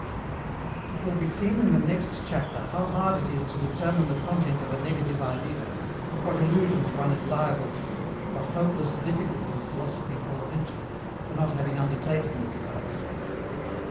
It will be seen in the next chapter how hard it is to determine the content of a negative idea, and what illusions one is liable to, what hopeless difficulties philosophy falls into, for not having undertaken this task.